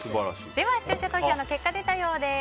では視聴者投票の結果が出たようです。